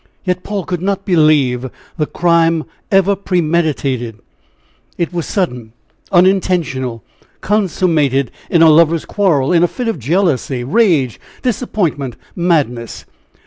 Yet Paul could not believe the crime ever premeditated it was sudden, unintentional, consummated in a lover's quarrel, in a fit of jealousy, rage, disappointment, madness!